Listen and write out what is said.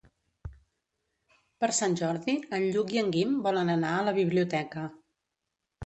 Per Sant Jordi en Lluc i en Guim volen anar a la biblioteca.